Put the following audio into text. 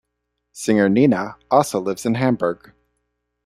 Singer Nena also lives in Hamburg.